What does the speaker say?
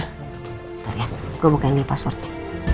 tunggu ya gue buka email passwordnya